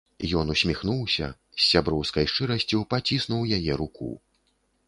Ён усміхнуўся, з сяброўскай шчырасцю паціснуў яе руку.